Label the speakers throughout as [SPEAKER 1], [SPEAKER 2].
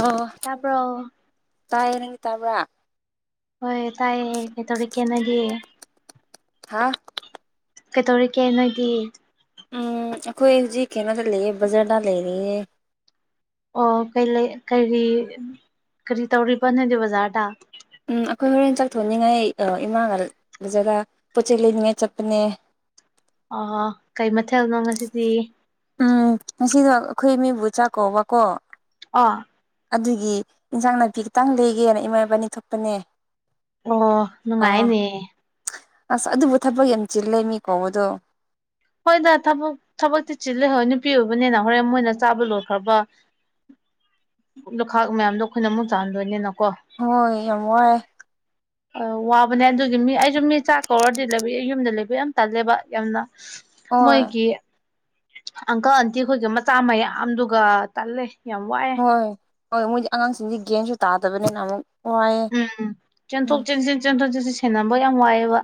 [SPEAKER 1] ꯑꯣꯣ
[SPEAKER 2] ꯇꯥꯕ꯭ꯔꯣ
[SPEAKER 1] ꯇꯥꯏꯌꯦꯦ ꯅꯪꯒꯤ ꯇꯥꯕ꯭ꯔꯥ
[SPEAKER 2] ꯍꯣꯏ ꯇꯥꯏꯌꯦ ꯀꯩꯇꯧꯔ ꯈꯦꯟꯅꯅꯒꯦꯦ
[SPEAKER 1] ꯍꯥꯥ
[SPEAKER 2] ꯀꯩꯗꯧꯔꯤꯒꯦ ꯅꯣꯏꯒꯤ
[SPEAKER 1] ꯎꯝ ꯑꯩꯈꯣꯏ ꯍꯧꯖꯤꯛ ꯀꯩꯅꯣꯗ ꯂꯩꯌꯦ ꯕꯖꯥꯔꯗ ꯂꯩꯔꯤꯌꯦ
[SPEAKER 2] ꯑꯣ ꯀꯩ ꯂꯩ ꯀꯔꯤ ꯇꯧꯔꯤꯕ ꯅꯡꯗꯤ ꯕꯖꯥꯔꯗ
[SPEAKER 1] ꯎꯝ ꯑꯩꯈꯣꯏ ꯍꯣꯔꯦꯟ ꯆꯥꯛꯊꯣꯛꯅꯤꯡꯉꯥꯏ ꯏꯃꯥꯒ ꯖꯒꯥ ꯄꯣꯠ ꯆꯩ ꯂꯩꯅꯤꯡꯉꯥꯏ ꯆꯠꯄꯅꯦ
[SPEAKER 2] ꯑꯥ ꯀꯩ ꯃꯊꯦꯜꯅꯣ ꯉꯁꯤꯗꯤ
[SPEAKER 1] ꯎꯝ ꯉꯁꯤꯗꯣ ꯑꯩꯈꯣꯏ ꯃꯤꯕꯨ ꯆꯥꯛꯀꯧꯕꯀꯣ
[SPEAKER 2] ꯑ
[SPEAKER 1] ꯑꯗꯨꯒꯤ ꯏꯟꯁꯥꯡ ꯅꯥꯄꯤ ꯈꯤꯇꯪ ꯂꯩꯒꯦꯅ ꯏꯃꯥ ꯏꯄꯥꯅꯤ ꯊꯣꯛꯄꯅꯦ
[SPEAKER 2] ꯑꯣ
[SPEAKER 1] ꯑꯥ
[SPEAKER 2] ꯅꯨꯡꯉꯥꯏꯅꯦ
[SPEAKER 1] ꯑꯁ ꯑꯗꯨꯕꯨ ꯊꯕꯛ ꯌꯥꯝ ꯆꯤꯜꯂꯦ ꯃꯤꯀꯣꯗꯣ
[SPEAKER 2] ꯍꯣꯏꯗ ꯊꯕꯛ ꯊꯕꯛꯇꯤ ꯆꯤꯂꯦ ꯍꯣꯏ ꯅꯨꯄꯤ ꯑꯣꯏꯕꯅꯤꯅ ꯍꯣꯔꯦꯟ ꯃꯣꯏꯅ ꯆꯥꯕ ꯂꯣꯏꯠꯈ꯭ꯔꯒ ꯂꯨꯈꯥꯛ ꯃꯌꯥꯝꯗꯣ ꯑꯩꯈꯣꯏꯅ ꯑꯃꯨꯛ ꯆꯥꯜꯗꯣꯏꯅꯤꯅꯀꯣ
[SPEAKER 1] ꯍꯣꯏ ꯌꯥꯝ ꯋꯥꯏꯌꯦ
[SPEAKER 2] [inaudible] ꯑ ꯋꯥꯕꯅꯦ ꯑꯗꯨꯒꯤ ꯃꯤ ꯑꯩꯁꯨ ꯃꯤ ꯆꯥꯛ ꯀꯧꯔꯗꯤ ꯂꯩꯕ ꯑꯩ ꯌꯨꯝꯗ ꯂꯩꯕ ꯌꯥꯝ ꯇꯜꯂꯦꯕ ꯌꯥꯝꯅ
[SPEAKER 1] ꯍꯣꯏ
[SPEAKER 2] ꯃꯣꯏꯒꯤ ꯑꯪꯀꯜ ꯑꯟꯇꯤ ꯈꯣꯏꯒꯤ ꯃꯆꯥ ꯃꯌꯥꯝꯗꯨꯒ ꯇꯜꯂꯦ ꯌꯥꯝ ꯋꯥꯏ
[SPEAKER 1] ꯍꯣꯏ ꯍꯣꯏ ꯃꯣꯏꯗꯤ ꯑꯉꯥꯡꯁꯤꯡꯗꯤ ꯒꯦꯟꯁꯨ ꯇꯥꯗꯕꯅꯤꯅ ꯑꯃꯨꯛ ꯋꯥꯏꯌꯦ
[SPEAKER 2] ꯎꯝ ꯆꯦꯟꯊꯣꯛ
[SPEAKER 1] ꯎꯝ
[SPEAKER 2] ꯆꯦꯟꯁꯤꯟ ꯆꯦꯟꯊꯣꯛ ꯆꯦꯟꯁꯤꯟ ꯁꯦꯟꯅꯕ ꯌꯥꯝ ꯋꯥꯏꯑꯦꯕ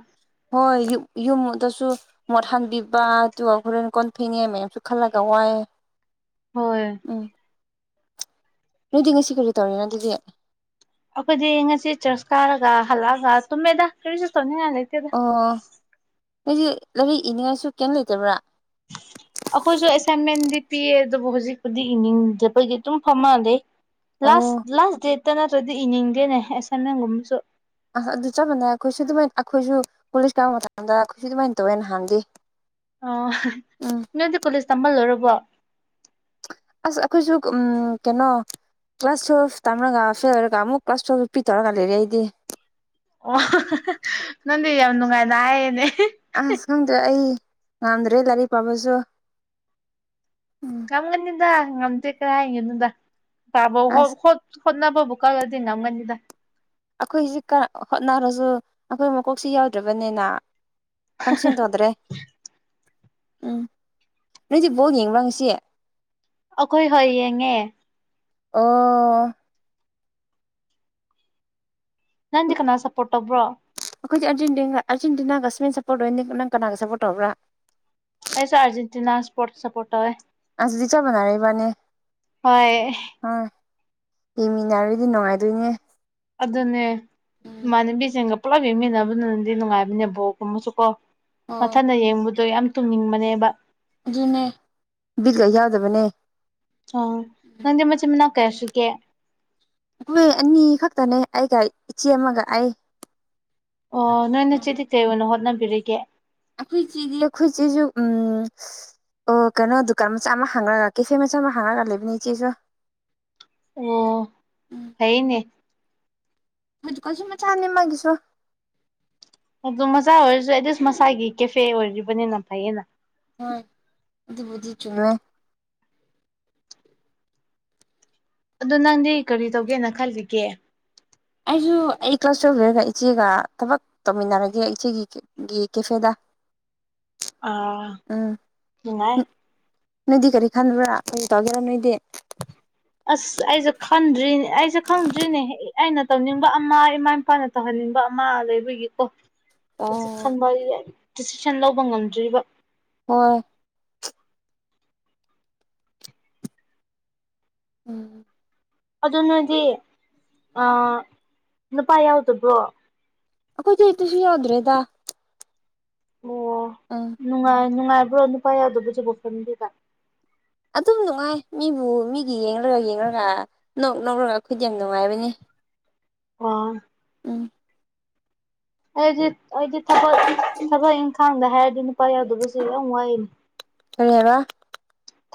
[SPEAKER 1] ꯍꯣꯏ ꯌꯨꯝꯗꯁꯨ ꯃꯣꯠ ꯍꯥꯟꯕꯤꯕ ꯑꯗꯨꯒ ꯍꯣꯔꯦꯟ ꯀꯣꯟ ꯐꯦꯡꯅꯤ ꯃꯌꯥꯝꯁꯨ ꯈꯜꯂꯒ ꯋꯥꯏꯌꯦ
[SPEAKER 2] ꯍꯣꯏ
[SPEAKER 1] ꯑꯝ ꯅꯣꯏꯗꯤ ꯉꯁꯤ ꯀꯔꯤ ꯇꯧꯔꯤꯅꯣ ꯑꯗꯨꯗꯤ
[SPEAKER 2] ꯑꯩꯈꯣꯏꯗꯤ ꯉꯁꯤ ꯆꯔꯁ ꯀꯥꯔꯒ ꯍꯜꯂꯛꯑꯒ ꯇꯨꯝꯃꯦꯗ ꯀꯔꯤꯁꯨ ꯇꯧꯅꯤꯡꯉꯥꯏ ꯂꯩꯇꯦ
[SPEAKER 1] ꯑꯣ ꯅꯣꯏꯁꯦ ꯂꯥꯏꯔꯤꯛ ꯏꯅꯤꯡꯉꯥꯏꯁꯨ ꯀꯩꯝ ꯂꯩꯇꯕ꯭ꯔꯥ
[SPEAKER 2] [inaudible] ꯑꯩꯈꯣꯏꯁꯨ ꯑꯦꯁꯥꯏꯟꯃꯦꯟꯗꯤ ꯄꯤꯌꯦ ꯑꯗꯨꯕꯨ ꯍꯧꯖꯤꯛꯄꯨꯗꯤ ꯏꯅꯤꯡꯗꯕꯒꯤ ꯑꯗꯨꯝ ꯐꯝꯃ ꯂꯩ
[SPEAKER 1] ꯑꯣ
[SPEAKER 2] ꯂꯥꯁ ꯂꯥꯁ ꯗꯦꯠꯇ ꯅꯠꯇ꯭ꯔꯗꯤ ꯏꯅꯤꯡꯗꯦꯅꯦ ꯑꯦꯁꯥꯏꯟꯃꯦꯟꯒꯨꯝꯕꯁꯨ
[SPEAKER 1] ꯑꯁ ꯑꯗꯨ ꯆꯞ ꯃꯅꯦ ꯑꯩꯈꯣꯏꯁꯨ ꯑꯗꯨꯃꯥꯏꯅ ꯑꯩꯈꯣꯏꯁꯨ ꯀꯣꯂꯦꯖ ꯀꯥꯕ ꯃꯇꯝꯗ ꯑꯩꯈꯣꯏꯁꯨ ꯑꯗꯨꯃꯥꯏꯅ ꯇꯧꯋꯦ ꯅꯍꯥꯟꯗꯤ
[SPEAKER 2] ꯑꯣ
[SPEAKER 1] ꯎꯝ
[SPEAKER 2] ꯅꯣꯏꯗꯤ ꯀꯣꯂꯦꯖ ꯇꯝꯕ ꯂꯣꯏꯔꯕꯣ
[SPEAKER 1] ꯑꯁ ꯑꯩꯈꯣꯏꯁꯨ ꯎꯝ ꯀꯩꯅꯣ ꯀ꯭ꯂꯥꯁ ꯇ꯭ꯋꯦꯜꯞ ꯇꯥꯝꯔꯒ ꯐꯦꯜ ꯑꯣꯏꯔꯒ ꯑꯃꯨꯛ ꯀ꯭ꯂꯥꯁ ꯇ꯭ꯋꯦꯜꯞ ꯄꯤꯊꯔꯒ ꯂꯩꯔꯦ ꯑꯩꯗꯤ
[SPEAKER 2] ꯑꯣ [unintelligible] ꯅꯪꯗꯤ ꯌꯥꯝ ꯅꯨꯡꯉꯥꯏꯅ ꯍꯥꯏꯌꯦꯅꯦ
[SPEAKER 1] ꯑꯁ ꯈꯪꯗꯦ ꯑꯩ ꯉꯝꯗ꯭ꯔꯦ ꯂꯥꯏꯔꯤꯛ ꯄꯥꯕꯁꯨ ꯎꯝ
[SPEAKER 2] ꯉꯝꯒꯅꯤꯗ ꯉꯝꯗꯦ ꯀꯔꯥꯏ ꯍꯥꯏꯒꯅꯣꯗ ꯇꯥꯕ
[SPEAKER 1] ꯑꯁ
[SPEAKER 2] [unintelligible] ꯍꯠꯅꯕ ꯀꯜꯂꯗꯤ ꯅꯝꯒꯅꯤꯗ
[SPEAKER 1] ꯑꯩꯈꯣꯏꯁꯤ ꯍꯣꯠꯅꯔꯁꯨ ꯑꯩꯈꯣꯏ ꯃꯀꯣꯛꯁꯤ ꯌꯥꯎꯗ꯭ꯔꯕꯅꯤꯅ [unintelligible] ꯇꯧꯗ꯭ꯔꯦ ꯎꯝ ꯅꯣꯏꯗꯤ ꯕꯣꯜ ꯌꯦꯡꯕꯔ ꯉꯁꯤ
[SPEAKER 2] ꯑꯩꯈꯣꯏ ꯍꯣꯏ ꯌꯦꯡꯉꯦ
[SPEAKER 1] ꯑꯣ
[SPEAKER 2] ꯅꯪꯗꯤ ꯀꯅꯥ ꯁꯞꯄꯣꯔꯠ ꯇꯧꯕ꯭ꯔꯣ
[SPEAKER 1] ꯑꯩꯈꯣꯏꯗꯤ ꯑꯔꯖꯦꯟꯇꯤ ꯑꯥꯔꯖꯦꯟꯇꯤꯅꯥꯒ ꯁꯄꯦꯟ ꯁꯞꯄꯣꯔꯠ ꯑꯣꯏ ꯅꯪ ꯀꯅꯥꯗ ꯁꯄꯣꯔꯠ ꯇꯧꯕ꯭ꯔꯥ
[SPEAKER 2] ꯑꯩꯁꯨ ꯑꯔꯖꯦꯟꯇꯤꯅꯥ ꯁꯄꯣꯔꯠ ꯁꯄꯣꯔꯠ ꯇꯧꯋꯦ
[SPEAKER 1] ꯑꯗꯨꯗꯤ ꯆꯞ ꯃꯥꯟꯅꯔꯦ ꯏꯕꯥꯟꯅꯤ
[SPEAKER 2] ꯍꯣꯏ
[SPEAKER 1] ꯑꯥ ꯌꯦꯃꯤꯟꯅꯔꯗꯤ ꯅꯨꯡꯉꯥꯏꯗꯣꯏꯅꯦ
[SPEAKER 2] ꯑꯗꯨꯅꯦ ꯏꯃꯥꯟꯅꯕꯤꯁꯤꯡꯒ ꯄꯨꯂꯞ ꯌꯦꯡꯃꯤꯟꯅꯕꯅ ꯅꯗꯤ ꯅꯨꯡꯉꯥꯏꯕꯅꯦ ꯕꯣꯜꯒꯨꯝꯕꯁꯦ ꯀꯣ
[SPEAKER 1] ꯍꯣꯏ
[SPEAKER 2] ꯃꯊꯟꯅ ꯌꯦꯡꯕꯗꯣ ꯌꯥꯝ ꯇꯨꯝꯅꯤꯡꯕꯅꯦꯕ
[SPEAKER 1] ꯑꯗꯨꯅꯦ ꯕꯤꯠꯒ ꯌꯥꯎꯗꯕꯅꯦ
[SPEAKER 2] ꯑ ꯅꯪꯗꯤ ꯃꯆꯤꯟ ꯃꯅꯥꯎ ꯀꯌꯥꯁꯨꯒꯦ
[SPEAKER 1] ꯑꯈꫭꯏ ꯑꯅꯤ ꯈꯛꯇꯅꯦ ꯑꯩꯒ ꯏꯆꯦ ꯑꯃꯒ ꯑꯩ
[SPEAKER 2] ꯑꯣ ꯅꯣꯏꯅꯆꯦꯗꯤ ꯀꯩ ꯑꯣꯏꯅ ꯍꯣꯠꯅꯕꯤꯔꯤꯒꯦ
[SPEAKER 1] ꯑꯩꯈꯣꯏ ꯆꯦꯗꯤ ꯑꯩꯈꯣꯏ ꯆꯦꯁꯨ ꯎꯝ ꯑꯣ ꯀꯩꯅꯣ ꯗꯨꯀꯥꯟ ꯃꯆꯥ ꯑꯃ ꯍꯥꯡꯉꯒ ꯀꯦꯐꯦ ꯃꯆꯥ ꯑꯃ ꯍꯥꯡꯉꯒ ꯂꯩꯕꯅꯦ ꯏꯆꯦꯁꯨ
[SPEAKER 2] ꯑꯣ ꯐꯩꯅꯦ
[SPEAKER 1] ꯍꫭꯏꯗꯨꯀꯥꯟꯁꯨ ꯃꯆꯥꯅꯤ ꯃꯥꯒꯤꯁꯨ
[SPEAKER 2] ꯑꯗꯨ ꯃꯆꯥ ꯑꯣꯏꯔꯁꯨ ꯑꯦꯠꯂꯤꯁ ꯃꯁꯥꯒꯤ ꯀꯦꯐꯦ ꯑꯣꯏꯔꯤꯕꯅꯤꯅ ꯐꯩꯌꯦꯅ
[SPEAKER 1] ꯍꯣꯏ ꯑꯗꯨꯕꯨꯗꯤ ꯆꯨꯝꯃꯦ
[SPEAKER 2] ꯑꯗꯣ ꯅꯪꯗꯤ ꯀꯔꯤ ꯇꯧꯒꯦꯅ ꯈꯜꯂꯤꯒꯦ
[SPEAKER 1] ꯑꯩꯁꯨ ꯑꯩ ꯀ꯭ꯂꯥꯁ ꯇꯧꯗꯔꯦꯗ ꯏꯆꯦꯒ ꯊꯕꯛ ꯇꯧꯃꯤꯟꯅꯔꯒꯦ ꯏꯆꯦꯒꯤ ꯒꯤ ꯀꯦꯐꯦꯗ
[SPEAKER 2] ꯑꯥ
[SPEAKER 1] ꯎꯝ
[SPEAKER 2] ꯅꯨꯡꯉꯥꯏ
[SPEAKER 1] ꯅꯣꯏꯗꯤ ꯀꯔꯤ ꯈꯟꯕ꯭ꯔꯥ ꯀꯔꯤ ꯇꯧꯒꯦꯔꯥ ꯅꯣꯏꯗꯤ
[SPEAKER 2] [inaudible] ꯑꯁ ꯑꯩꯁꯦ ꯈꯟꯗ꯭ꯔꯤꯅꯦ ꯑꯩꯁꯦ ꯈꯪꯗ꯭ꯔꯤꯅꯦ ꯑꯩꯅ ꯇꯧꯅꯤꯡꯕ ꯑꯃ ꯏꯃꯥ ꯏꯄꯥꯅ ꯇꯧꯍꯟꯅꯤꯡꯕ ꯑꯃ ꯂꯩꯕꯒꯤꯀꯣ ꯍꯧꯖꯤꯛ
[SPEAKER 1] ꯑꯣ
[SPEAKER 2] [unintelligible] ꯗꯤꯁꯤꯖꯟ ꯂꯧꯕ ꯉꯝꯗ꯭ꯔꯤꯕ
[SPEAKER 1] ꯍꯣꯏ ꯎꯝ
[SPEAKER 2] ꯑꯗꯨ ꯅꫭꯏꯗꯤ ꯑ ꯅꯨꯄꯥ ꯌꯥꯎꯗꯕ꯭ꯔꯣ
[SPEAKER 1] ꯑꯩꯈꯣꯏꯗꯤ ꯇꯨꯁꯨ ꯌꯥꯎꯗ꯭ꯔꯦꯗ
[SPEAKER 2] ꯑꯣ
[SPEAKER 1] [inaudible]
[SPEAKER 2] ꯅꯨꯡꯉꯥꯏ ꯅꯨꯡꯉꯥꯏꯕ꯭ꯔꯣ ꯅꯨꯄꯥ ꯌꯥꯎꯗꯕꯁꯦꯕꯨ ꯐꯦꯃꯤꯗ
[SPEAKER 1] ꯑꯗꯨꯝ ꯅꯨꯡꯉꯥꯏ ꯃꯤꯕꯨ ꯃꯤꯒꯤ ꯌꯦꯡꯂꯒ ꯌꯦꯡꯂꯒ ꯅꫭꯛ ꯅꫭꯛꯔꯒ ꯑꯩꯈꯣꯏꯗꯤ ꯌꯥꯝ ꯅꯨꯡꯉꯥꯏꯕꯅꯤ
[SPEAKER 2] ꯑꫭ
[SPEAKER 1] ꯎꯝ
[SPEAKER 2] ꯑꯩꯗꯤ ꯑꯩꯗꯤ ꯊꯕꯛ ꯊꯕꯛ ꯏꯪꯈꯥꯡꯗ ꯍꯥꯏꯔꯗꯤ ꯅꯨꯄꯥ ꯌꯥꯎꯗꯕꯁꯤ ꯌꯥꯝ ꯋꯥꯏꯅꯤ
[SPEAKER 1] ꯀꯔꯤ ꯍꯥꯏꯕ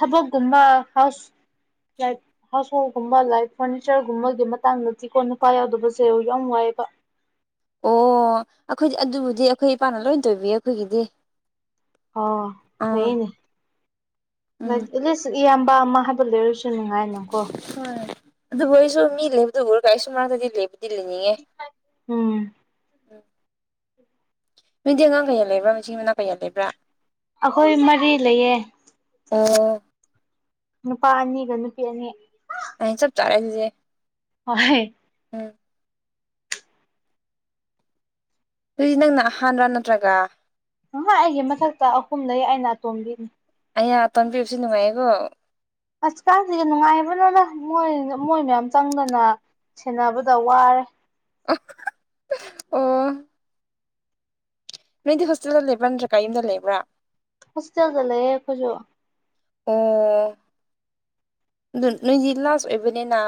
[SPEAKER 2] ꯊꯕꯛꯀꯨꯝꯕ ꯍꯥꯎꯁ [unintelligible] ꯍꯥꯎꯁ ꯍꯣꯜꯒꯨꯝꯕ ꯂꯥꯏꯛ ꯐꫪꯅꯤꯆꫪꯒꯨꯝꯕꯒꯤ ꯃꯇꯥꯡꯗꯗꯤꯀꯣ ꯅꯨꯄꯥ ꯌꯥꯎꯗꯕꯁꯦ ꯌꯥꯝ ꯋꯥꯏꯌꯦꯕ
[SPEAKER 1] ꯑꯣ ꯑꯩꯈꯣꯏꯗꯤ ꯑꯗꯨꯕꯨꯗꯤ ꯑꯩꯈꯣꯏ ꯏꯄꯥꯅ ꯂꯣꯏ ꯇꯣꯏꯕꯤ ꯑꯩꯈꯣꯏꯒꯤꯗꯤ
[SPEAKER 2] ꯑꯣ
[SPEAKER 1] ꯑꯥ
[SPEAKER 2] ꯐꯩꯌꯦꯅꯦ
[SPEAKER 1] ꯎꯝ
[SPEAKER 2] ꯂꯥꯏꯛ ꯑꯦꯠ ꯂꯤꯁ ꯏꯌꯥꯝꯕ ꯑꯃ ꯍꯥꯏꯕ ꯂꯩꯔꯁꯨ ꯁꯨ ꯅꯨꯡꯉꯥꯏꯅ
[SPEAKER 1] ꯍꯣꯏ ꯑꯗꯨꯕꯨ ꯑꯩꯁꯨ ꯃꯤ ꯂꯩꯕꯗꯕꯨꯔ ꯀꯥꯏꯁꯨ ꯃꯔꯛꯇꯗꯤ ꯂꯩꯕꯨꯗꯤ ꯂꯩꯅꯤꯡꯉꯦ
[SPEAKER 2] ꯎꯝ
[SPEAKER 1] ꯅꫭꯏꯗꯤ ꯑꯉꯥꯡ ꯀꯌꯥ ꯂꯩꯕ꯭ꯔꯥ ꯃꯆꯤꯟ ꯃꯅꯥꯎ ꯀꯌꯥ ꯂꯩꯕ꯭ꯔꯥ
[SPEAKER 2] ꯑꯩꯈꯣꯏ ꯃꯔꯤ ꯂꯩꯌꯦ
[SPEAKER 1] ꯑꯣ
[SPEAKER 2] ꯅꯨꯄꯥ ꯑꯅꯤꯒ ꯅꯨꯄꯤ ꯑꯅꯤ
[SPEAKER 1] ꯑꯦ ꯆꯞ ꯆꯥꯔꯦ ꯑꯗꯨꯗꯤ
[SPEAKER 2] ꯍꫭꯏ
[SPEAKER 1] ꯎꯝ ꯑꯗꯨꯗꯤ ꯅꯪꯅ ꯑꯍꯥꯟꯔ ꯅꯠꯇ꯭ꯔꯒ
[SPEAKER 2] ꫭꯏꯍ ꯑꯩꯒꯤ ꯃꯊꯛꯇ ꯑꯍꯨꯝ ꯂꯩ ꯑꯩꯅ ꯑꯇꯣꯝꯕꯤꯅꯤ
[SPEAKER 1] [unintelligible] ꯅꯨꯡꯉꯥꯏꯀꯣ
[SPEAKER 2] ꯑꯁ ꯀꯥꯏꯗꯒꯤ ꯅꯨꯡꯉꯥꯏꯕꯅꫭꯗ ꯃꯣꯏ ꯃꯣꯏ ꯃꯌꯥꯝ ꯆꯪꯗꯅ ꯁꯦꯟꯅꯕꯗ ꯋꯥꯔꯦ
[SPEAKER 1] [unintelligible] ꯑꯣ ꯅꯣꯏꯗꯤ ꯍꯣꯁꯇꯦꯜꯗ ꯂꯩꯕ ꯅꯗ꯭ꯔꯦꯀꯥ ꯌꯨꯝꯗ ꯂꯩꯕ꯭ꯔꯥ
[SPEAKER 2] ꯍꯣꯁꯇꯦꯜꯗꯂ ꯑꯦꯦ ꯈꯁꯨꯣ
[SPEAKER 1] ꯑꯣ ꯑꯗꯨ ꯅꯣꯏꯗꯤ ꯂꯥꯁ ꯑꯣꯏꯕꯅꯤꯅ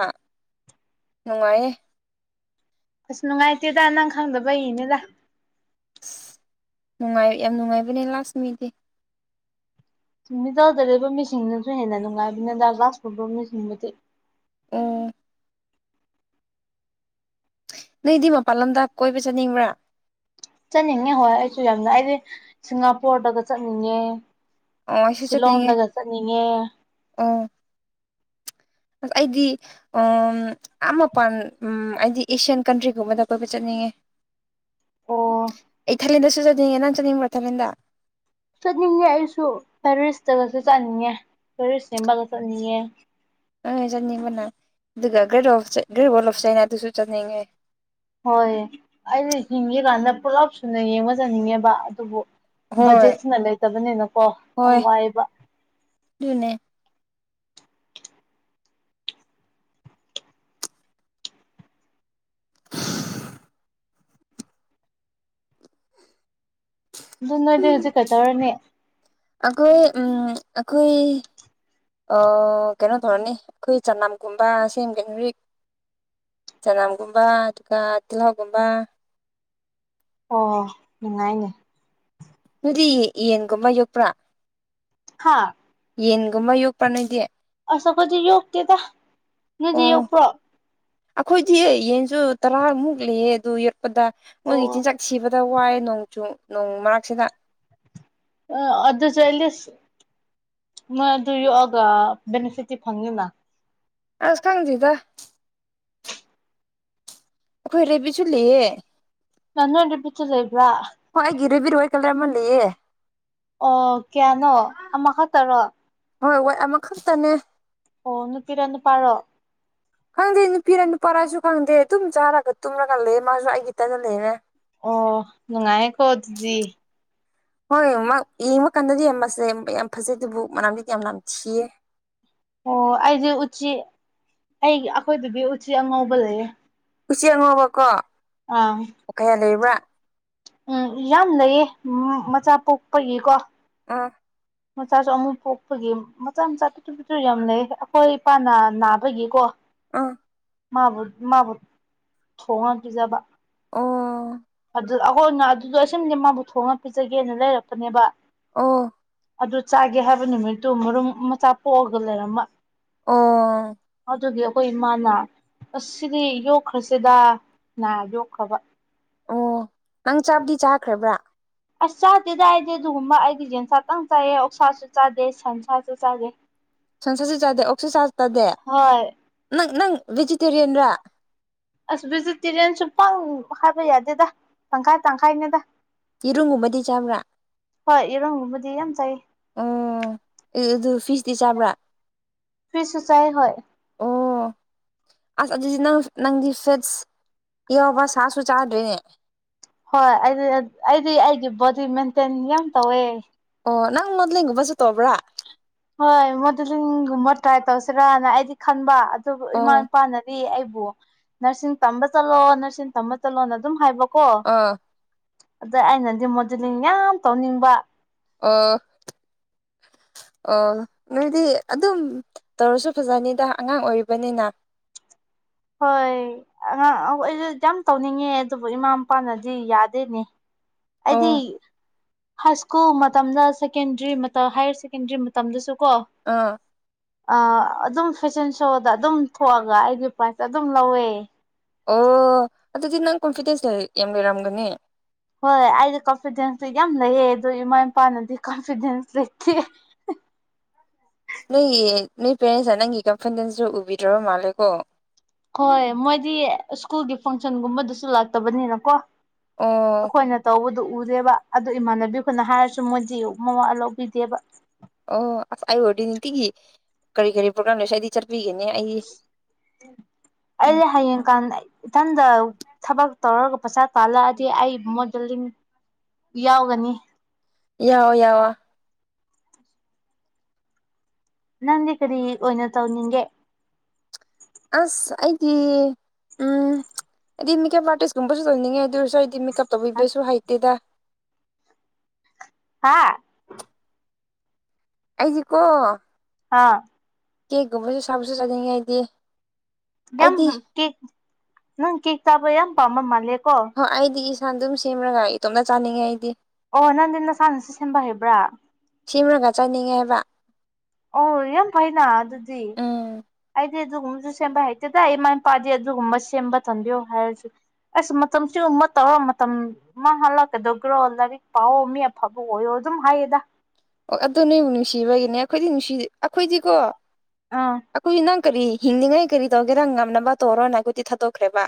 [SPEAKER 1] ꯅꯨꯡꯉꯥꯏꯌꯦꯦ
[SPEAKER 2] ꯑꯁ ꯅꯨꯡꯉꯥꯏꯇꯦꯗ ꯅꯪ ꯈꯪꯗꯕꯩꯏꯅꯦꯗ
[SPEAKER 1] ꯑꯁ ꯅꯨꯡꯉꯥꯏ ꯌꯥꯝ ꯅꯨꯡꯉꯥꯏꯕꯅꯦ ꯂꯥꯁ ꯃꯤꯗꯤ
[SPEAKER 2] ꯁꯨꯝ ꯃꯤꯇꯜꯗ ꯂꯩꯕ ꯃꯤꯁꯤꯡꯅꯁꯨ ꯍꯦꯟꯅ ꯅꯨꯡꯉꯥꯏꯕꯅꯤꯗ ꯒ꯭ꯂꯥꯁꯀꯨꯝꯕ ꯃꯤꯁꯤꯡꯕꯨꯗꯤ
[SPEAKER 1] ꯎꯝ ꯅꯣꯏꯗꯤ ꯃꯄꯥꯟ ꯂꯝꯗ ꯀꯣꯏꯕ ꯆꯠꯅꯤꯡꯕ꯭ꯔꯥ
[SPEAKER 2] ꯆꯠꯅꯤꯡꯉꯦ ꯍꯣꯏ ꯑꯩꯁꯨ ꯌꯥꯝꯅ ꯑꯩꯗꯤ ꯁꯤꯡꯒꯥꯄꯨꯔꯗꯒ ꯆꯠꯅꯤꯡꯉꯦ
[SPEAKER 1] ꯑꯣ ꯑꯩꯁꯨ ꯆꯠꯅꯤꯡꯉꯤ
[SPEAKER 2] ꯁꯤꯂꯣꯡꯗꯒ ꯆꯠꯅꯤꯡꯉꯦ
[SPEAKER 1] ꯑꯣ ꯑꯁ ꯑꯩꯗꯤ ꯎꯝ ꯑꯥ ꯃꯄꯥꯟ ꯎꯝ ꯑꯩꯗꯤ ꯑꯦꯁꯤꯌꯥꯟ ꯀꯟꯇ꯭ꯔꯤꯒꯨꯝꯕꯗ ꯀꯣꯏꯕ ꯆꯠꯅꯤꯡꯉꯦ
[SPEAKER 2] ꯑꯣ
[SPEAKER 1] ꯑꯩ ꯊꯥꯏꯂꯦꯟꯗꯁꯨ ꯆꯠ ꯉꯦ ꯅꯪ ꯆꯠꯅꯤꯡꯕ꯭ꯔ ꯊꯥꯏꯂꯦꯟꯗ
[SPEAKER 2] ꯆꯠꯅꯤꯡꯉꯦ ꯑꯩꯁꯨ ꯄꯦꯔꯤꯁꯇꯒꯁꯨ ꯆꯠꯅꯤꯡꯉꯦ ꯄꯦꯔꯤꯁ ꯌꯦꯡꯕꯒ ꯆꯠꯅꯤꯡꯉꯦ
[SPEAKER 1] [unintelligible] ꯆꯠꯅꯤꯡꯕꯅ ꯑꯗꯨꯒ great of great wall of ꯆꯥꯏꯅꯥꯗꯨꯁꯨ ꯆꯠꯅꯤꯡꯉꯦ
[SPEAKER 2] ꯍꯣꯏ ꯑꯩꯅ ꯍꯤꯡꯒꯦꯀꯥꯟꯗ ꯄꯨꯂꯞ ꯁꯨꯅ ꯌꯦꯡꯉꯖꯅꯤꯡꯉꯦꯕ ꯑꯗꯨꯕꯨ
[SPEAKER 1] ꯍꯣꯏ
[SPEAKER 2] ꯕꯖꯦꯠꯁꯤꯅ ꯂꯩꯇꯕꯅꯤꯅꯀꯣ ꯌꯥꯝ ꯋꯥꯏꯑꯕ
[SPEAKER 1] ꯨꯅꯦ
[SPEAKER 2] ꯑꯗꯨ ꯅꯣꯏꯗꯤ ꯍꯧꯖꯤꯛ ꯀꯩꯇꯧꯔꯅꯤ
[SPEAKER 1] ꯑꯩꯈꯣꯏ ꯎꯝ ꯑꯩꯈꯣꯏ ꯑ ꯀꯩꯅꯣ ꯊꯧꯔꯅꯤ ꯑꯩꯈꯣꯏ ꯆꯅꯝꯒꯨꯝꯕ ꯁꯦꯝꯒꯦ ꯍꯧꯖꯤꯛ ꯆꯅꯝꯒꯨꯝꯕ ꯑꯗꯨꯒ ꯇꯤꯜꯍꯥꯎꯒꯨꯝꯕ
[SPEAKER 2] ꯑꯣ ꯍꯣ ꯅꯨꯡꯉꯥꯏꯅꯦ
[SPEAKER 1] ꯅꯗꯤ ꯌꯦꯟꯒꯨꯝꯕ ꯌꯣꯛꯄ꯭ꯔꯥ
[SPEAKER 2] ꯍꯥꯥ
[SPEAKER 1] ꯌꯦꯟꯒꯨꯝꯕ ꯌꯣꯛꯄ ꯅꯣꯏꯗꯤ
[SPEAKER 2] ꯑ ꯀꯗꯤ ꯌꯣꯒ ꯇꯦ ꯇ ꯅꯗꯤ ꯌꯧ
[SPEAKER 1] ꯑꯣ
[SPEAKER 2] ꯄ꯭ꯔꯣ
[SPEAKER 1] ꯑꯩꯈꯣꯏꯗꯤ ꯌꯦꯟꯁꯨ ꯇꯔꯥꯃꯨꯛ ꯂꯩꯌꯦ ꯑꯗꯨ ꯆꯄꯗ ꯃꯣꯏꯒꯤ
[SPEAKER 2] ꯑꯣ
[SPEAKER 1] ꯆꯤꯟꯖꯥꯛ ꯁꯤꯕꯗ ꯋꯥꯏꯦ ꯅꯣꯡꯆꯨ ꯅꯣꯡ ꯃꯔꯛꯁꯤꯗ
[SPEAKER 2] ꯑꯗꯨꯁꯨ ꯑꯦꯠꯂꯤꯁ ꯃꯣꯏ ꯑꯗꯨ ꯌꯣꯛꯑꯒ ꯕꯦꯅꯤꯐꯤꯠꯇꯤ ꯐꯪꯅꯤꯤꯅ
[SPEAKER 1] ꯑꯁ ꯈꯪꯗꯗ ꯑꯩꯈꯣꯏ ꯔꯦꯕꯤꯁꯨ ꯂꯩꯌꯦ
[SPEAKER 2] ꯅꯪꯄꯤꯠꯇꯗ ꯏꯕ꯭ꯔꯥ
[SPEAKER 1] ꯍꯣꯏ ꯑꯩꯒꯤꯔꯦꯕꯤꯔꯣꯣꯏ ꯀꯂꯔꯃꯜ ꯂꯩꯌꯦ
[SPEAKER 2] ꯑꯣ ꯀꯌꯥꯅꯣ ꯑꯃ ꯇꯔꯣ
[SPEAKER 1] ꯍꯣꯏ ꯍꯣꯏ ꯑꯃꯈꯛꯇꯅꯦ
[SPEAKER 2] ꯑꯣꯅꯇꯤꯔꯅꯤ ꯄꯕꯣ
[SPEAKER 1] ꯈꯪꯗꯦ ꯅꯨꯄꯤꯔ ꯅꯨꯄꯥꯔꯥꯁꯨ ꯈꯪꯗꯦ ꯑꯗꯨꯨꯝ ꯆꯥꯔꯒ ꯇꯨꯝꯂꯒ ꯂꯩ ꯃꯥꯁꯨ ꯑꯩꯒꯤ ꯇꯅꯅꯦꯅꯦ
[SPEAKER 2] ꯑꯣ ꯅꯨꯡꯉꯥꯏ ꯀꯣ ꯑꯗꯨꯗꯤ
[SPEAKER 1] ꯍꯣꯏ ꯌꯦꯡꯕ ꯀꯥꯟꯗꯗꯤ ꯃꯁꯦ ꯌꯥꯝ ꯐꯖꯩ ꯑꯗꯨꯕꯨ ꯃꯅꯥꯝꯗꯤ ꯀ ꯌꯥꯝ ꯌꯥꯝ ꯊꯤꯌꯦꯦ
[SPEAKER 2] ꯑꯣ ꯑꯩꯗꯤ ꯎꯆꯤ ꯑꯩ ꯑꯩꯈꯣꯏꯗꯗꯤ ꯎꯆꯤ ꯑꯉꯧꯕ ꯂꯩꯌꯦ
[SPEAKER 1] ꯎꯆꯦꯛꯉꯕꯀꯣ
[SPEAKER 2] ꯑꯪ
[SPEAKER 1] ꯀꯌꯥ ꯂꯩꯕ꯭ꯔꯥ
[SPEAKER 2] ꯎꯝ ꯌꯥꯝ ꯂꯩꯌꯦ ꯃꯆꯥ ꯄꯣꯛꯄꯒꯤꯀꯣ
[SPEAKER 1] ꯑꯥ
[SPEAKER 2] ꯃꯆꯥꯁꯨ ꯑꯃꯨꯛ ꯄꯣꯛꯄꯒꯤ ꯃꯆꯥ ꯃꯆꯥ ꯄꯤꯠꯇꯨ ꯄꯤꯠꯇꯨ ꯌꯥꯝ ꯂꯩ ꯑꯩꯈꯣꯏ ꯏꯄꯥꯅ ꯅꯥꯕꯒꯤꯀꯣ
[SPEAKER 1] ꯑꯥ
[SPEAKER 2] ꯃ ꯊꯣꯍꯅ ꯄꯖꯕ
[SPEAKER 1] ꯑꯣ
[SPEAKER 2] ꯑꯗꯨ ꯑꯩꯈꯣꯏꯅ ꯑꯗꯨꯗꯣ ꯑꯁꯝꯗꯤ ꯃꯥꯕꯨ ꯊꯣꯛꯣꯡꯅ ꯄꯤꯖꯒꯦꯅ ꯂꯩꯔꯛꯄꯅꯦꯕ
[SPEAKER 1] ꯑꯣ
[SPEAKER 2] ꯑꯗꯨ ꯆꯥꯒꯦ ꯍꯥꯏꯕ ꯅꯨꯃꯤꯠꯇꯨ ꯃꯔꯨꯝ ꯃꯆꯥ ꯄꯣꯛꯑꯒ ꯂꯩꯔꯃ
[SPEAKER 1] ꯑꯣ
[SPEAKER 2] ꯑꯗꯨꯗꯤ ꯑꯩꯈꯣꯏ ꯏꯃꯥꯅ ꯑꯁ ꯁꯤꯗꯤ ꯌꯣꯛꯈ꯭ꯔꯁꯤꯦꯗ ꯅꯥ ꯌꯣꯛꯈ꯭ꯔꯕ
[SPEAKER 1] ꯑꯣ ꯅꯪ ꯆꯥꯕꯗꯤ ꯆꯥꯈ꯭ꯔꯕ꯭ꯔꯥ
[SPEAKER 2] ꯑꯁ ꯆꯥꯗꯦ ꯗꯥꯏꯗꯤ ꯑꯗꯨꯒꯨꯝꯕ ꯑꯩꯗꯤ ꯌꯦꯖꯦꯟꯁꯥꯇꯪ ꯆꯥꯏꯑ ꯑꯣꯛꯁꯥꯁꯨ ꯆꯥꯗꯦ ꯁꯟꯁꯥꯁꯨ ꯆꯥꯗꯦ [inaudible]
[SPEAKER 1] ꯁꯟꯁꯥꯁꯨꯠ ꯆꯥꯗꯦ ꯑꯣꯛꯁꯥꯁꯥꯠ ꯇꯥꯗꯦ
[SPEAKER 2] ꯍꯣꯏ
[SPEAKER 1] ꯅꯪ ꯅꯪ ꯚꯦꯖꯤꯇꯦꯔꯤꯌꯟꯔꯥ
[SPEAKER 2] ꯑꯁ ꯚꯦꯖꯤꯇꯦꯔꯤꯌꯥꯟꯁꯨ ꯄꯥꯛ ꯍꯥꯏꯕ ꯌꯥꯗꯦꯗ ꯇꯪꯈꯥꯏ ꯇꯪꯈꯥꯏꯅꯤꯗ
[SPEAKER 1] ꯌꯦꯔꯨꯝꯒꯨꯝꯕꯗꯤ ꯆꯥꯕ꯭ꯔꯥ
[SPEAKER 2] ꯍꯣꯏ ꯏꯔꯪꯕꯕꯨꯗꯤ ꯌꯥꯝ ꯆꯥꯏ
[SPEAKER 1] ꯑꯣ ꯑꯗꯨ ꯐꯤꯁꯇꯤ ꯆꯥꯕ꯭ꯔꯥ
[SPEAKER 2] ꯐ꯭ꯔꯤ ꯁꯨꯆꯥꯏ ꯍ
[SPEAKER 1] ꯑꯣ ꯑꯁ ꯑꯗꯨꯗꯤ ꯅꯪ ꯅꯪꯒꯤ ꯐꯦꯠꯁ ꯏꯕ ꯁꯥꯁꯨ ꯆꯥꯗꯣꯏꯅꯦ
[SPEAKER 2] ꯍꯣꯏ ꯑꯩꯗꯤ ꯑꯩꯗꯤ ꯑꯩꯒꯤ ꯕꯣꯗꯤ ꯃꯦꯟꯇꯦꯟ ꯌꯥꯝ ꯇꯧꯋꯦ
[SPEAKER 1] ꯑꯣ ꯅꯪ ꯃꯗꯂꯤꯒꯣꯕ ꯆꯠꯇꯕ꯭ꯔꯥ
[SPEAKER 2] ꯍꯣꯏ ꯃꯣꯗꯂꯤꯡꯒꯨꯝꯕ ꯇ꯭ꯔꯥꯏ ꯇꯧꯁꯤꯔꯥꯅ ꯑꯩꯗꯤ ꯈꯟꯕ ꯑꯗꯨꯕꯨ ꯏꯃꯥ
[SPEAKER 1] ꯑꯣ
[SPEAKER 2] ꯏꯄꯥꯅ ꯑꯩꯕꯨ ꯅꯔꯁꯤꯡ ꯇꯝꯕ ꯆꯠꯂꯣ ꯅꯔꯁꯤꯡ ꯇꯝꯕ ꯆꯠꯂꯣꯅ ꯑꯗꯨꯝ ꯍꯥꯏꯕꯀꯣ
[SPEAKER 1] ꯑꯥ
[SPEAKER 2] ꯑꯗ ꯑꯩꯅꯗꯤ ꯃꯣꯗꯦꯂꯤꯡ ꯌꯥꯝ ꯇꯧꯅꯤꯡꯕ
[SPEAKER 1] ꯑ ꯑꯣ ꯅꯣꯏꯗꯤ ꯑꯗꯨꯝ ꯇꯧꯔꯁꯨ ꯐꯖꯅꯤꯗ ꯑꯉꯥꯡ ꯑꯣꯏꯔꯤꯕꯅꯤꯅ
[SPEAKER 2] ꯍꯣꯏ ꯑꯉꯥꯡ ꯑꯩꯁꯨ ꯌꯥꯝ ꯇꯧꯅꯤꯡꯉꯦ ꯑꯗꯨꯕꯨ ꯏꯃꯥ ꯃꯄꯥꯅꯗꯤ ꯌꯥꯗꯦꯅꯦ
[SPEAKER 1] ꯑꯣ
[SPEAKER 2] ꯑꯩꯗꯤ ꯍꯥꯏ ꯁ꯭ꯀꯨꯜ ꯃꯇꯝꯗ ꯁꯦꯀꯦꯟꯗ꯭ꯔꯤ ꯍꯥꯌꯔ ꯁꯦꯀꯦꯟꯗ꯭ꯔꯤ ꯃꯇꯝꯗꯁꯨ ꯀꯣ
[SPEAKER 1] ꯑꯥ
[SPEAKER 2] ꯑ ꯑꯗꯨꯝ ꯐꯦꯁꯟ ꯁꯣꯗ ꯑꯗꯨꯝ ꯊꯣꯛꯑꯒ ꯑꯩꯒꯤ ꯄ꯭ꯔꯥꯏꯖꯇ ꯑꯗꯨꯝ ꯂꯧꯋꯦ
[SPEAKER 1] ꯑꯣ ꯑꯗꯨꯗꯤ ꯅꯪ ꯀꯣꯟꯐꯤꯗꯦꯟꯁ ꯌꯥꯝ ꯂꯩꯔꯝꯒꯅꯤ
[SPEAKER 2] ꯍꯣꯏ ꯑꯩꯗꯤ ꯀꯟꯐꯤꯗꯦꯟꯁꯇ ꯌꯥꯝ ꯂꯩꯌꯦ ꯑꯗꯨꯗ ꯏꯃꯥ ꯏꯄꯥꯅꯗꯤ ꯀꯟꯐꯤꯗꯦꯟꯁ ꯂꯩꯇꯦ
[SPEAKER 1] ꯅꯣꯏꯒꯤ ꯅꯣꯏ ꯄꯦꯔꯦꯟꯁ ꯅꯪꯒꯤ ꯀꯝꯄꯟꯗꯁꯨ ꯎꯕꯤꯗ꯭ꯔꯕ ꯃꯥꯜꯂꯦꯀꯣ
[SPEAKER 2] ꯍꯣꯏ ꯃꯣꯏꯗꯤ ꯁ꯭ꯀꯨꯜꯒꯤ ꯐꯪꯁꯟꯒꯨꯝꯕꯗꯁꯨ ꯂꯥꯛꯇꯕꯅꯤꯅꯀꯣ
[SPEAKER 1] ꯑꯣ
[SPEAKER 2] ꯑꯩꯈꯣꯏꯅ ꯇꯧꯕꯗꯨꯣ ꯎꯗꯦꯕ ꯑꯗꯨ ꯏꯃꯥꯟꯅꯕꯤ ꯑꯩꯈꯣꯏꯅ ꯍꯥꯏꯔꯁꯨ ꯃꯣꯏꯗꯤꯛ ꯃꯃ ꯂꯧꯕꯤꯗꯦꯕ
[SPEAKER 1] ꯑꯣ ꯑꯁ ꯑꯩ ꯑꯣꯏꯔꯗꯤ ꯅꯨꯡꯇꯤꯒꯤ ꯀꯔꯤ ꯀꯔꯤ ꯄ꯭ꯔꯣꯒꯥꯝ ꯂꯩꯁꯦ ꯍꯥꯏꯗꯤ ꯆꯔ ꯄꯤꯒꯅꯦ ꯑꯩ
[SPEAKER 2] ꯑ
[SPEAKER 1] ꯎꯝ
[SPEAKER 2] ꯍꯥꯏꯌꯦꯡ ꯀꯥꯟ ꯏꯊꯟꯗ ꯊꯕꯛ ꯇꯧꯔꯒ ꯄꯩꯁꯥ ꯇꯥꯜꯂꯛꯑꯗꯤ ꯑꯩ ꯃꯣꯗꯜꯂꯤꯡ ꯌꯥꯎꯒꯅꯤ
[SPEAKER 1] ꯌꯥꯎ ꯌꯥꯋꯥ
[SPEAKER 2] ꯅꯪꯗꯤ ꯀꯔꯤ ꯑꯣꯏꯅ ꯇꯧꯅꯤꯡꯦ
[SPEAKER 1] ꯑꯁ ꯑꯩꯗꯤ ꯎꯝ ꯍꯥꯏꯗꯤ ꯃꯦꯀꯦꯞ ꯑꯥꯔꯇꯤꯁꯀꯨꯝꯕꯁꯨ ꯇꯧꯅꯤꯡꯉꯦ ꯑꯗꯨ ꯑꯣꯏꯔꯁꯨ ꯑꯩꯗꯤ ꯀꯞ ꯇꯧꯕꯤꯕꯦꯁꯨ ꯍꯥꯏꯇꯦꯗ
[SPEAKER 2] ꯍꯥꯥ
[SPEAKER 1] ꯑꯩꯁꯤ ꯀꯣ
[SPEAKER 2] ꯍꯥꯥ
[SPEAKER 1] ꯀꯦꯒꯨꯝꯕꯁꯨ ꯁꯥꯕꯁꯨ ꯆꯠꯅꯤꯡꯉꯦꯗꯤ
[SPEAKER 2] ꯌꯥꯝ ꯀꯦꯛ ꯅꯪ ꯀꯦꯛ ꯇꯥꯕ ꯌꯥꯝ ꯄꯥꯝꯕ ꯃꯥꯜꯂꯦ ꯀꯣ
[SPEAKER 1] ꯑꯣ ꯑꯩꯗꯤ ꯏꯁꯥ ꯑꯗꯨꯝ ꯁꯦꯝꯃꯒ ꯏꯇꯣꯝꯅ ꯆꯥꯅꯤꯡꯉꯦ ꯑꯩꯗꯤ
[SPEAKER 2] ꯑꯣ ꯅꯪꯗꯤ ꯅꯁꯥꯅꯁꯨ ꯁꯦꯝꯕ ꯍꯩꯕ꯭ꯔꯥ
[SPEAKER 1] ꯁꯦꯝꯃꯒ ꯆꯠꯅꯤꯡꯉꯦ ꯍꯥꯏꯕ
[SPEAKER 2] ꯑꯣ ꯌꯥꯝ ꯐꯩꯅ ꯑꯗꯨꯗꯤ
[SPEAKER 1] ꯎꯝ
[SPEAKER 2] ꯑꯩꯗꯤ ꯑꯗꯨꯒꯨꯝꯕꯁꯨ ꯁꯦꯝꯕ ꯍꯩꯇꯦꯗ ꯏꯃꯥ ꯏꯄꯥꯗꯤ ꯑꯗꯨꯒꯨꯝꯕ ꯁꯦꯝꯕ ꯊꯝꯕꯤꯌꯣ ꯍꯥꯏꯔꯁꯨ ꯑꯁ ꯃꯇꯝꯁꯤꯒ ꯑꯃ ꯇꯧꯔ ꯃꯇꯝ ꯃꯥ ꯍꯜꯂꯛꯀꯗꯧꯧꯕ꯭ꯔꯣ ꯂꯥꯏꯔꯤꯛ ꯄꯥꯛꯑꯣ ꯃꯤ ꯑꯐꯕ ꯑꯣꯏꯌꯣ ꯑꯗꯨꯝ ꯍꯥꯏꯌꯦꯗ
[SPEAKER 1] ꯑꯣ ꯑꯗꯨ ꯅꯣꯏꯕꯨꯛ ꯅꯨꯡꯁꯤꯕꯒꯤꯅꯦ ꯑꯩꯈꯣꯏꯗꯤ ꯅꯨꯡꯁꯤ ꯑꯩꯈꯣꯏꯗꯤꯀꯣ
[SPEAKER 2] ꯑꯥ
[SPEAKER 1] ꯑꯩꯈꯣꯏ ꯅꯪ ꯀꯔꯤ ꯍꯤꯡꯅꯤꯡꯉꯩ ꯀꯔꯤ ꯇꯧꯒꯦꯔ ꯉꯝꯅꯕ ꯇꯧꯔꯣꯅ ꯑꯩꯈꯣꯏꯗꯤ ꯊꯥꯗꯣꯛꯈ꯭ꯔꯦꯕ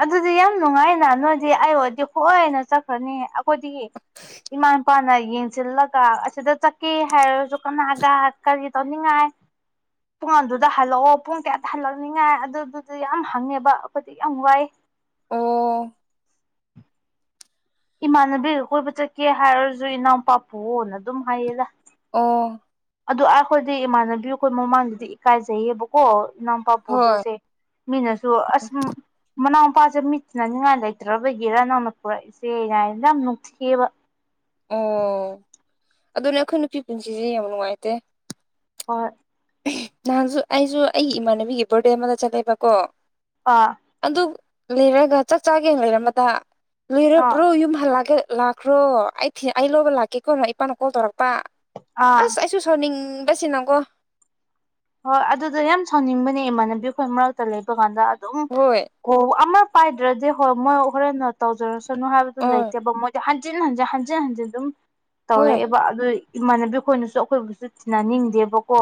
[SPEAKER 2] ꯑꯗꯨꯗꯤ ꯌꯥꯝ ꯅꯨꯡꯉꯥꯏꯅ ꯅꯣꯏꯗꯤ ꯑꯩ ꯑꯣꯏꯗꯤ ꯍꯣꯏꯅ ꯆꯠꯈ꯭ꯔꯅꯤ ꯑꯩꯈꯣꯏꯗꯤ ꯏꯃꯥ ꯏꯄꯥꯅ ꯌꯦꯡꯁꯤꯜꯂꯒ ꯑꯁꯤꯗ ꯆꯠꯀꯦ ꯍꯥꯏꯔꯁꯨ ꯀꯅꯥꯒ ꯀꯔꯤ ꯇꯧꯅꯤꯡꯉꯥꯏ ꯇꯣꯉꯥꯟꯗꯨꯗ ꯍꯜꯂꯛꯑꯣ ꯄꯨꯡ ꯀꯌꯥꯗ ꯍꯜꯂꯛꯅꯤꯉꯥꯏ ꯑꯗꯨꯗꯨꯗꯤ ꯌꯥꯝ ꯍꯪꯉꯦꯕ ꯑꯩꯈꯣꯏꯗꯤ ꯌꯥꯝ ꯋꯥꯏ
[SPEAKER 1] ꯑꯣ
[SPEAKER 2] ꯏꯃꯥꯟꯅꯕꯤꯒ ꯀꯣꯏꯕ ꯆꯠꯀꯦ ꯍꯥꯏꯔꯁꯨ ꯏꯅꯥꯎꯄꯥꯄꯨꯅ ꯑꯗꯨꯝ ꯍꯥꯏꯌꯦꯗ
[SPEAKER 1] ꯑꯣ
[SPEAKER 2] ꯑꯗꯨ ꯑꯥ ꯈꯣꯏꯗꯤ ꯏꯃꯥꯟꯅꯕꯤ ꯈꯣꯏ ꯃꯃꯥꯡꯗꯗꯤ ꯏꯀꯥꯏꯖꯩꯌꯦꯕ ꯀꯣ ꯅꯝꯄꯥꯛ
[SPEAKER 1] ꯍꯣꯏ
[SPEAKER 2] ꯄꯨꯗꯣꯏꯁꯦ ꯃꯤꯅꯁꯨ ꯑꯁ ꯃꯅꯥꯎꯄꯥꯁꯦ ꯃꯤꯇꯤꯅꯅꯤꯡꯉꯥꯏ ꯂꯩꯇ꯭ꯔꯕꯒꯤꯔ ꯅꯪꯅ ꯄꯨꯔꯛꯏꯁꯦ ꯍꯥꯏꯌꯦ ꯌꯥꯝ ꯅꯨꯡꯊꯤꯑꯕ
[SPEAKER 1] ꯑꯣ ꯑꯗꯨꯅꯦ ꯑꯩꯈꯣꯏ ꯅꯨꯄꯤ ꯄꯨꯟꯁꯤꯁꯦ ꯌꯥꯝ ꯅꯨꯡꯉꯥꯏꯇꯦ
[SPEAKER 2] ꯍꯣꯏ
[SPEAKER 1] ꯑꯦ ꯅꯍꯥꯟꯁꯨ ꯑꯩꯁꯨ ꯑꯩꯒꯤ ꯏꯃꯥꯟꯅꯕꯤꯒꯤ ꯕꯥꯔꯗꯦ ꯑꯃꯗ ꯆꯠꯂꯦꯕꯀꯣ
[SPEAKER 2] ꯑꯥ
[SPEAKER 1] ꯑꯗꯨꯞ ꯂꯩꯔꯒ ꯆꯥꯛ ꯆꯥꯒꯦꯅ ꯉꯥꯏꯔꯝꯕꯗ
[SPEAKER 2] ꯑꯥ
[SPEAKER 1] ꯂꯣꯏꯔꯕ꯭ꯔꯣ ꯌꯨꯝ ꯍꯜꯂꯒ ꯂꯥꯛ ꯀ꯭ꯔꯣ ꯑꯩ ꯊꯤ ꯑꯩ ꯂꯧꯕ ꯂꯥꯛꯀꯦ ꯀꯣ ꯅ ꯏꯄꯥꯅ ꯀꯣꯜ ꯇꯧꯔꯛꯄ
[SPEAKER 2] ꯑꯥ
[SPEAKER 1] ꯑꯁ ꯑꯩꯁꯨ ꯁꯥꯎꯅꯤꯡꯕꯁꯤꯅꯀꯣ
[SPEAKER 2] ꯍꯣꯏ ꯑꯗꯨꯗꯣ ꯌꯥꯝ ꯁꯥꯎꯅꯤꯡꯕꯅꯦ ꯏꯃꯥꯟꯅꯕꯤ ꯈꯣꯏ ꯃꯔꯛꯇ ꯂꯩꯕ ꯀꯥꯟꯗ ꯑꯗꯨꯝ
[SPEAKER 1] ꯍꯣꯏ
[SPEAKER 2] ꯀꯣꯜ ꯑꯃ ꯄꯥꯏꯗ꯭ꯔꯗꯤ ꯍꯣ ꯃꯣꯏ ꯍꯣꯔꯟꯅ ꯇꯧꯖꯔꯁꯅꯨ ꯍꯥꯏꯕꯗꯨ
[SPEAKER 1] ꯍꯣꯏ
[SPEAKER 2] ꯂꯩꯇꯦꯕ ꯃꯣꯏ ꯍꯟꯖꯤꯟ ꯍꯟꯖꯤꯟ ꯍꯟꯖꯤꯟ ꯍꯟꯖꯤꯟ ꯑꯗꯨꯝ
[SPEAKER 1] ꯍꯣꯏ
[SPEAKER 2] ꯇꯧꯔꯛꯑꯦꯕ ꯑꯗꯨꯏ ꯏꯃꯥꯟꯅꯕꯤ ꯈꯣꯏꯅꯁꯨ ꯑꯩꯈꯣꯏꯕꯨꯁꯨ ꯇꯤꯟꯅꯅꯤꯡꯗꯦꯕꯀꯣ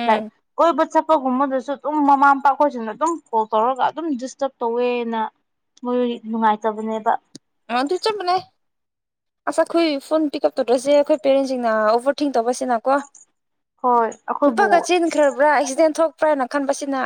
[SPEAKER 1] ꯎꯝ
[SPEAKER 2] ꯂꯥꯏꯛ ꯀꯣꯏꯕ ꯆꯠ [unintelligible] ꯕꯗꯁꯨ ꯑꯗꯨꯝ ꯃꯃꯥ ꯃꯄꯥ ꯈꯣꯏꯁꯤꯅ ꯑꯗꯨꯝ ꯐꯣꯜ ꯇꯧꯔꯒ ꯑꯗꯨꯝ ꯗꯤꯁꯇꯔꯕ ꯇꯧꯋꯦꯅ ꯃꯣꯏ ꯅꯨꯡꯉꯥꯏꯇꯕꯅꯦꯕ
[SPEAKER 1] ꯑꯗꯨ ꯆꯞ ꯃꯥꯟꯅꯏ ꯑꯁ ꯑꯩꯈꯣꯏ ꯐꯣꯟ ꯄꯤꯛ ꯑꯞ ꯇꯧꯗ꯭ꯔꯁꯦ ꯑꯩꯈꯣꯏ ꯄꯦꯔꯦꯟꯁꯤꯡꯅ ꯑꯣꯕꯔꯠ ꯊꯤꯡ ꯇꯧꯕꯁꯤꯅꯀꯣ
[SPEAKER 2] ꯍꯣꯏ ꯑꯩꯈꯣꯏꯕꯨ
[SPEAKER 1] ꯅꯨꯄꯥꯒ ꯆꯦꯟꯈ꯭ꯔꯕ꯭ꯔꯥ ꯑꯦꯛꯁꯤꯗꯦꯟ ꯊꯣꯛꯄ꯭ꯔꯥꯅ ꯈꯟꯕꯁꯤꯅ